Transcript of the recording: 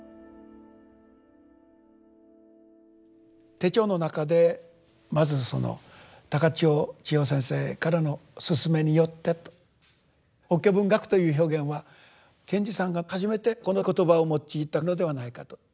手帳の中でまずその高知尾智耀先生からの奨めによってと法華文学という表現は賢治さんが初めてこの言葉を用いたのではないかと。